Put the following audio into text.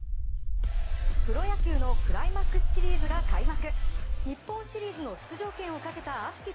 プロ野球のクライマックスシリーズが開幕。